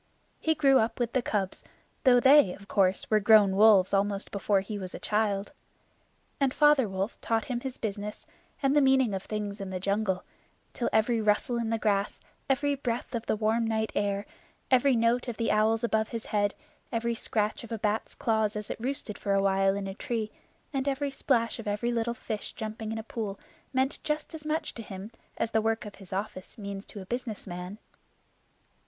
He grew up with the cubs, though they, of course, were grown wolves almost before he was a child. And Father Wolf taught him his business, and the meaning of things in the jungle, till every rustle in the grass, every breath of the warm night air, every note of the owls above his head, every scratch of a bat's claws as it roosted for a while in a tree, and every splash of every little fish jumping in a pool meant just as much to him as the work of his office means to a business man.